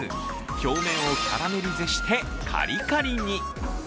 表面をキャラメリゼしてカリカリに。